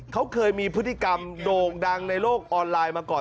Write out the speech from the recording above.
เขาเคยมีพฤติกรรมโด่งดังในโลกออนไลน์มาก่อน